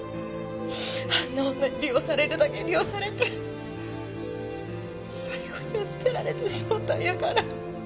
あんな女に利用されるだけ利用されて最後には捨てられてしもうたんやから。